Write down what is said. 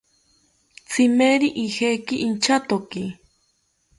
Tzimeri ijeki inchatoki